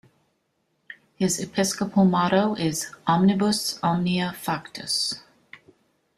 His episcopal motto is "Omnibus omnia factus".